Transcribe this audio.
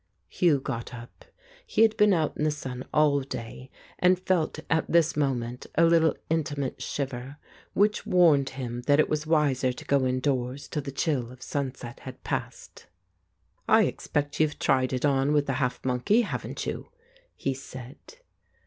Hugh got up. He had been out in the sun all day, and felt at this moment a little intimate shiver, which warned him that it was wiser to go indoors till the chill of sunset had passed. "I expect you've tried it on with the half monkey, haven't you?" he said.